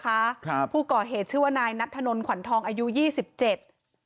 ครับผู้ก่อเหตุชื่อว่านายนัทธนลขวัญทองอายุยี่สิบเจ็ด